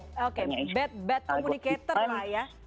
bad communicator lah ya